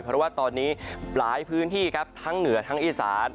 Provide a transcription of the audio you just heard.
เพราะว่าตอนนี้หลายพื้นที่ครับทั้งเหนือทั้งอีสาน